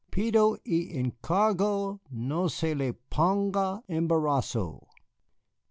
Pido y encargo no se le ponga embarazo."